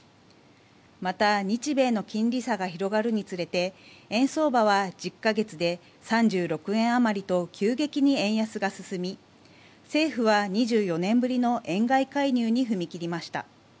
また、日米の金利差が広がるにつれて円相場は１０か月で３６円あまりと急激に円安が進み政府は２４年ぶりの円買い介入に踏み切りました。